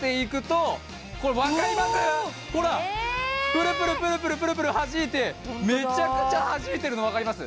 プルプルプルプルプルプルはじいてめちゃくちゃはじいてるの分かります？